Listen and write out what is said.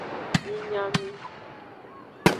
Mi nya nu.